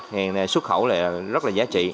hiện nay xuất khẩu là rất là giá trị